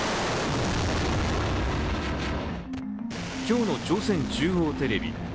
今日の朝鮮中央テレビ。